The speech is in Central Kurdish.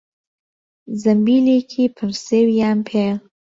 زەمبیلێکی پڕ سێویان پێیە.